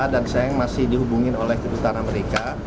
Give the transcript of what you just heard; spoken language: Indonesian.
dan saya yang masih dihubungin oleh ketua tahan amerika